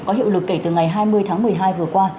có hiệu lực kể từ ngày hai mươi tháng một mươi hai vừa qua